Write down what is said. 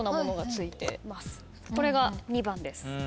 これが２番です。